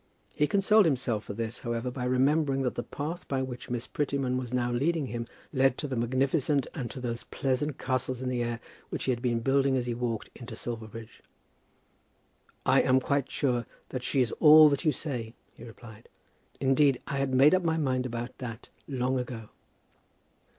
He consoled himself for this, however, by remembering that the path by which Miss Prettyman was now leading him, led to the magnificent, and to those pleasant castles in the air which he had been building as he walked into Silverbridge. "I am quite sure that she is all that you say," he replied. "Indeed I had made up my mind about that long ago."